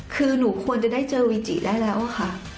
คือหนูควรจะได้เจอวีจิได้แล้วค่ะ